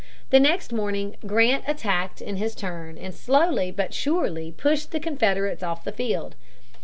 The next morning Grant attacked in his turn and slowly but surely pushed the Confederates off the field.